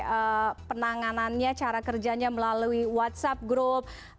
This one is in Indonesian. bagaimana penanganannya cara kerjanya melalui whatsapp group